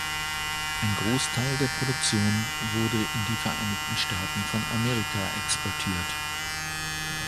Ein Großteil der Produktion wurde in die Vereinigten Staaten von Amerika exportiert.